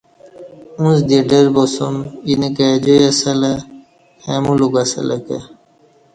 اُݩڅ دی ڈر باسُوم اینہ کائی جائ اسہ لہ ، کائ ملک اسلہ کہ